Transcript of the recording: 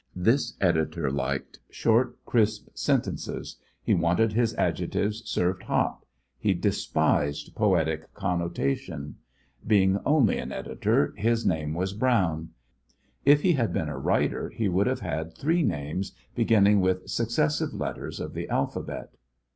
This editor liked short, crisp sentences. He wanted his adjectives served hot. He despised poetic connotation. Being only an editor, his name was Brown. If he had been a writer, he would have had three names, beginning with successive letters of the alphabet.